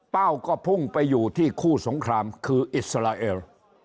ก็พุ่งไปอยู่ที่คู่สงครามคืออิสราเอล